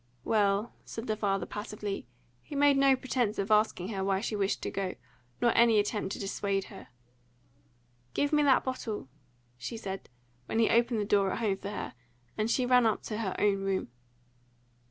"Well," said the father passively. He made no pretence of asking her why she wished to go, nor any attempt to dissuade her. "Give me that bottle," she said, when he opened the door at home for her, and she ran up to her own room.